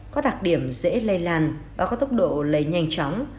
có đặc điểm dễ lây lan và có tốc độ lây nhanh chóng